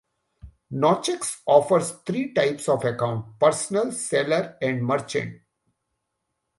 Nochex offers three types of account: personal, seller and merchant.